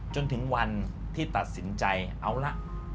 จนถึงวันที่ตัดสินใจเอาละ